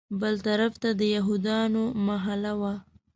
بل طرف ته د یهودیانو محله وه.